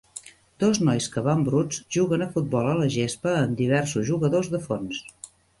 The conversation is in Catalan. Dos nois que van bruts juguen a futbol a la gespa amb diversos jugadors de fons.